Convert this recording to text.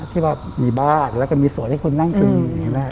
ที่มีบ้านแล้วก็มีสวนให้คุณนั่งกิน